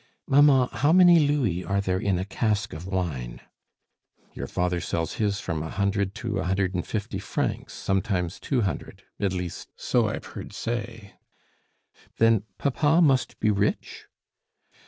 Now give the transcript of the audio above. "Mamma, how many louis are there in a cask of wine?" "Your father sells his from a hundred to a hundred and fifty francs, sometimes two hundred, at least, so I've heard say." "Then papa must be rich?"